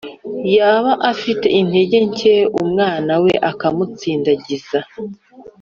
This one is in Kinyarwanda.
yaba afite intege nke umwana we akamusindagiza.